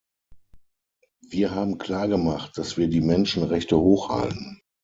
Wir haben klar gemacht, dass wir die Menschenrechte hochhalten.